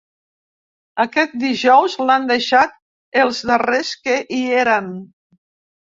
Aquest dijous l’han deixat els darrers que hi eren.